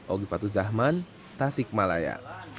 ogipatu zahman tasik malaya